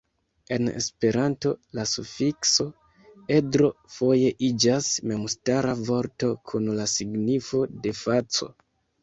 En Esperanto, la sufikso "edro" foje iĝas memstara vorto kun la signifo de faco.